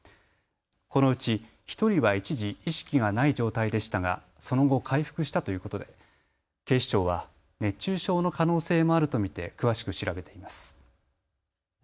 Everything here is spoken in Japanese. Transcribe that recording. このうち１人は一時、意識がない状態でしたがその後、回復したということで警視庁は熱中症の可能性もあると見て詳しく調べています。